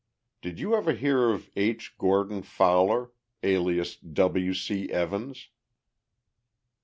Did you ever hear of H. Gordon Fowler, alias W. C. Evans?"